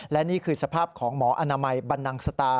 และนี่คือสภาพของหมออนามัยบันนังสตา